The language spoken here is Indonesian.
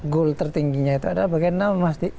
goal tertingginya itu adalah bagaimana memastikan